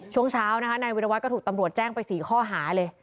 ช่วงเช้านะคะนายวิรวัตรก็ถูกตำรวจแจ้งไป๔ข้อหาเลย